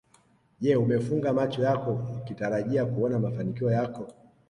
Je umefunga macho yako ukitarajia kuona mafanikio yako